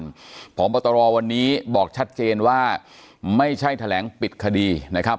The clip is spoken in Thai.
พบตรวันนี้บอกชัดเจนว่าไม่ใช่แถลงปิดคดีนะครับ